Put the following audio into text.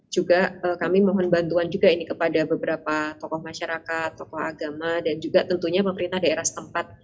juga kami mohon bantuan juga ini kepada beberapa tokoh masyarakat tokoh agama dan juga tentunya pemerintah daerah setempat